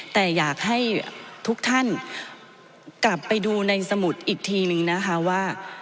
แต่อยากให้ทุกท่านกลับไปดูในสมุดอีกทีนึงนะคะว่า